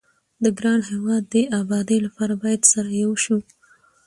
د ګران هيواد دي ابادي لپاره بايد سره يو شو